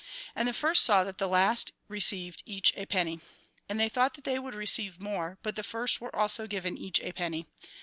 And the first saw that the last received each a penny. And they thought that they would receive more ; but the first were also given each a penny.